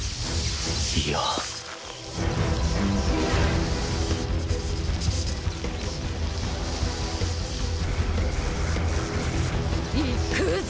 いやいくぞ！